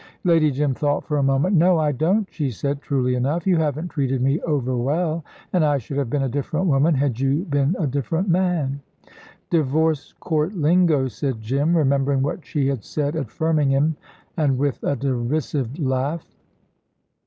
Lady Jim thought for a moment. "No, I don't," she said, truly enough. "You haven't treated me over well, and I should have been a different woman, had you been a different man " "Divorce court lingo," said Jim, remembering what she had said at Firmingham, and with a derisive laugh.